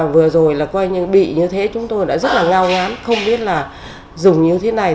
vừa rồi là coi như bị như thế chúng tôi đã rất là ngao ngán không biết là dùng như thế này